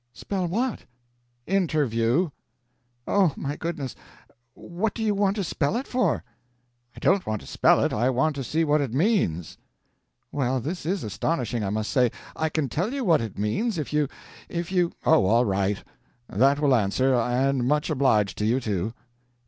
"Spell what?" "Interview." "Oh, my goodness! what do you want to spell it for?" "I don't want to spell it; I want to see what it means." "Well, this is astonishing, I must say. I can tell you what it means, if you if you " "Oh, all right! That will answer, and much obliged to you, too."